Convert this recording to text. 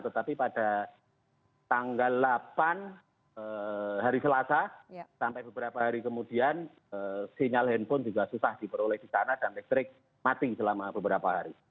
tetapi pada tanggal delapan hari selasa sampai beberapa hari kemudian sinyal handphone juga susah diperoleh di sana dan listrik mati selama beberapa hari